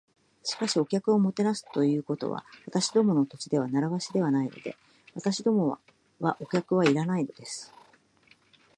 「しかし、お客をもてなすということは、私どものこの土地では慣わしではないので。私どもはお客はいらないのです」